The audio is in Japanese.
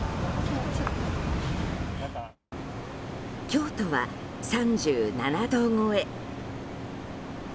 京都は３７度超え。